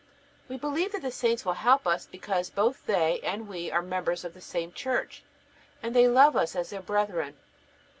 We believe that the saints will help us because both they and we are members of the same Church, and they love us as their brethren.